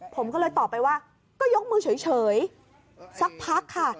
ผมก็เลยตอบไปว่าก็ยกมือเฉยสักพักค่ะ